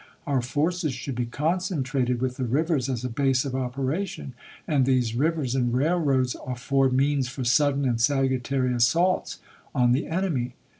Our forces should be concentrated, with the rivers as a base of operation ; and these rivers and railroads afford means for sudden and salutary assaults on the enemy.